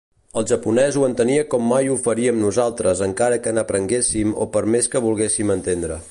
El japonès ho entenia com mai ho faríem nosaltres encara que n'aprenguéssim o per més que volguéssim entendre.